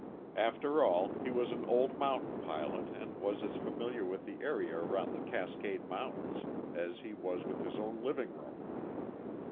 After all, he was an old mountain pilot and was as familiar with the area around the Cascade Mountains as he was with his own living room.